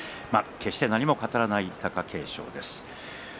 何も語らない貴景勝です。